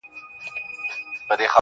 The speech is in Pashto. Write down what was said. ما به د سترگو کټوري کي نه ساتل گلونه,